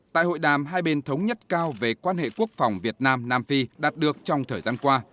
tại hội đàm hai bên thống nhất cao về quan hệ quốc phòng việt nam nam phi đạt được trong thời gian qua